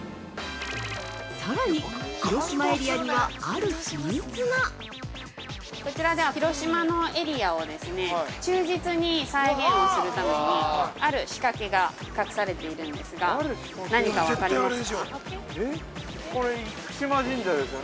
さらに、広島エリアにはある秘密が◆こちらでは、広島のエリアを忠実に再現をするために、ある仕掛けが隠されているんですが何か分かりますか。